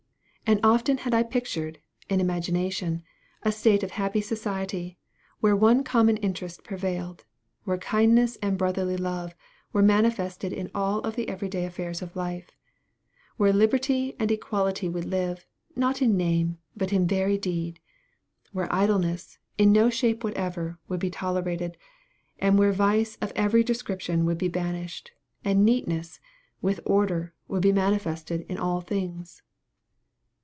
And often had I pictured, in imagination, a state of happy society, where one common interest prevailed where kindness and brotherly love were manifested in all of the every day affairs of life where liberty and equality would live, not in name, but in very deed where idleness, in no shape whatever, would be tolerated and where vice of every description would be banished, and neatness, with order, would be manifested in all things.